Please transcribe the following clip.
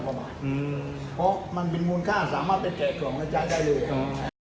เพราะมันเป็นมูลค่าสามารถไปแจกของแล้วจ่ายได้เลย